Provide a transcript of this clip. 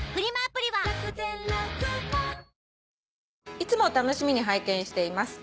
「いつも楽しみに拝見しています。